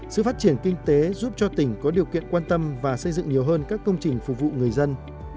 sự phát triển kinh tế giúp cho tỉnh có điều kiện quan tâm và xây dựng nhiều hơn các công trình phục vụ người dân